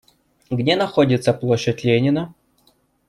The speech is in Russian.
Где находится площадь Ленина?